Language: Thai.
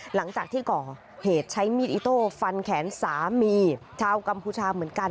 หลังจากที่ก่อเหตุใช้มีดอิโต้ฟันแขนสามีชาวกัมพูชาเหมือนกัน